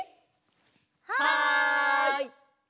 はい！